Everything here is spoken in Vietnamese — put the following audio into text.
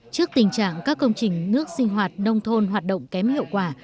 trước tình trạng các công trình nước sinh hoạt nông thôn hoạt động kém hiệu quả